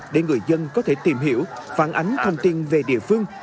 để người dân có thể tìm hiểu phản ánh thông tin về địa phương